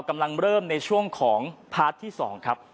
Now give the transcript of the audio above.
กำลังเริ่มในช่วงของพาร์ทที่๒ครับ